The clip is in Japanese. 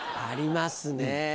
ありますね